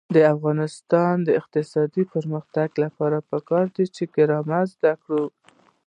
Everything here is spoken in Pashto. د افغانستان د اقتصادي پرمختګ لپاره پکار ده چې ګرامر زده کړو.